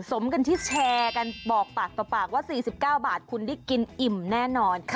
สมกันที่แชร์กันบอกปากต่อปากว่า๔๙บาทคุณได้กินอิ่มแน่นอน